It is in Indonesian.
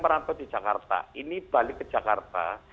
perantau di jakarta ini balik ke jakarta